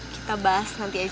kita bahas nanti aja